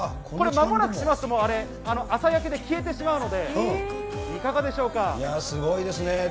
まもなくしますと、あれ、朝焼けで消えてしまうので、いかがでしすごいですね。